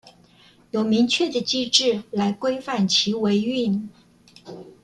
有明確的機制來規範其維運